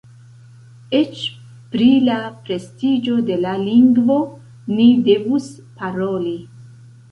Eĉ pri la prestiĝo de la lingvo ni devus paroli.